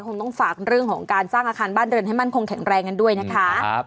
คงต้องฝากเรื่องของการสร้างอาคารบ้านเรือนให้มั่นคงแข็งแรงกันด้วยนะคะ